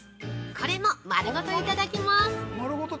これも丸ごといただきます。